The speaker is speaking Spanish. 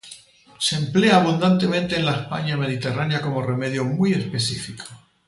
Se emplea abundantemente en la España Mediterránea como remedio muy específico.